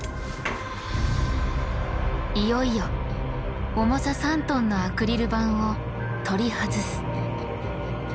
いよいよ重さ３ｔのアクリル板を取り外す。